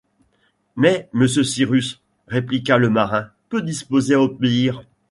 Mais, monsieur Cyrus... répliqua le marin, peu disposé à obéir.